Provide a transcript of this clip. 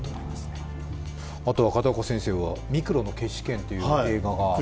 あと片岡先生は「ミクロの決死圏」という映画が。